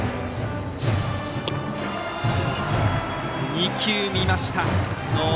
２球、見ました。